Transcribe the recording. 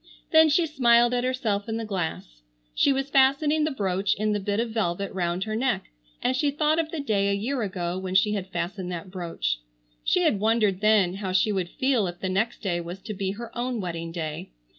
Then she smiled at herself in the glass. She was fastening the brooch in the bit of velvet round her neck, and she thought of the day a year ago when she had fastened that brooch. She had wondered then how she would feel if the next day was to be her own wedding day.